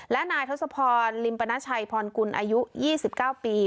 และนายทศพรลิมปนาชัยพรกุลอายุ๒๙ปี